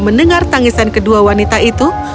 mendengar tangisan kedua wanita itu